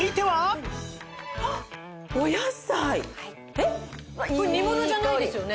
えっこれ煮物じゃないですよね？